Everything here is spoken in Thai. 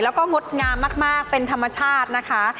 แล้วก็งดงามมากเป็นธรรมชาตินะคะ